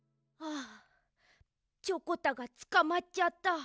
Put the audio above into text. あチョコタがつかまっちゃった。